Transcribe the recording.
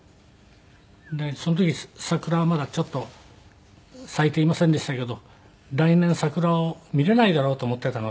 でその時桜はまだちょっと咲いていませんでしたけど来年桜を見れないだろうと思っていたのが。